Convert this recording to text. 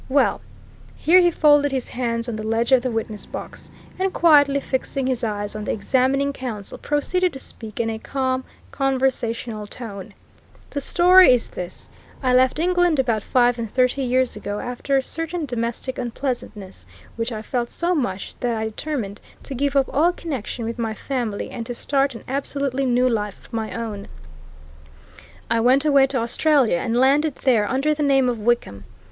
Well," here he folded his hands on the ledge of the witness box, and quietly fixing his eyes on the examining counsel, proceeded to speak in a calm, conversational tone "the story is this: I left England about five and thirty years ago after certain domestic unpleasantnesses which I felt so much that I determined to give up all connection with my family and to start an absolutely new life of my own. I went away to Australia and landed there under the name of Wickham.